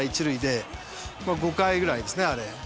１塁で５回ぐらいですねあれ。